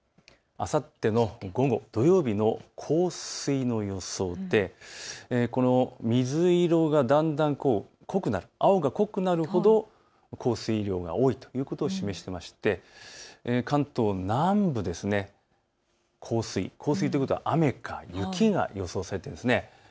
あさっての午後、土曜日の降水の予想で水色がだんだん濃く、青が濃くなるほど降水量が多いということを示していて関東南部、降水ということは雨か雪が予想されているんです。